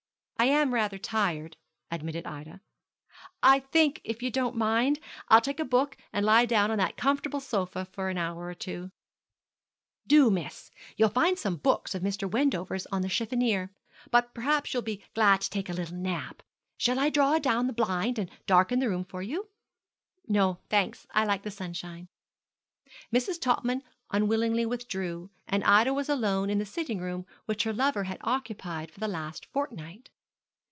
'I am rather tired,' admitted Ida; 'I think, if you don't mind, I'll take a book and lie down on that comfortable sofa for an hour or two.' 'Do miss. You'll find some books of Mr. Wendover's on the cheffonier. But perhaps you'll be glad to take a little nap. Shall I draw down the blind and darken the room for you?' 'No, thanks; I like the sunshine.' Mrs. Topman unwillingly withdrew, and Ida was alone in the sitting room which her lover had occupied for the last fortnight.